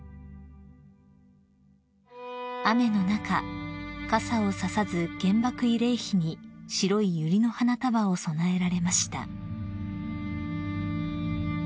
［雨の中傘を差さず原爆慰霊碑に白いユリの花束を供えられました］